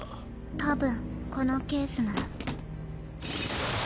多分このケースなの。